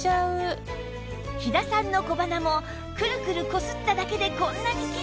飛騨さんの小鼻もくるくるこすっただけでこんなにきれいに